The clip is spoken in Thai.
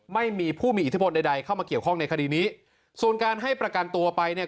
ไม่มีผู้มีอิทธิพลใดใดเข้ามาเกี่ยวข้องในคดีนี้ส่วนการให้ประกันตัวไปเนี่ย